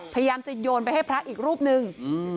พยายามจะโยนไปให้พระอีกรูปนึง